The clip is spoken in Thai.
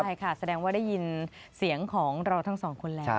ใช่ค่ะแสดงว่าได้ยินเสียงของเราทั้งสองคนแล้ว